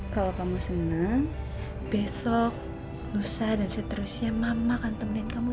kalo kamu seneng besok nusa dan seterusnya mama akan temanin kamu